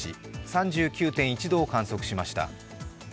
３９．１度を観測しました。